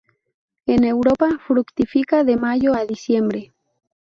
En Europa, fructifica de mayo a diciembre.